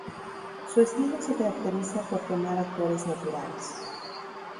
Su estilo se caracteriza por tomar actores naturales.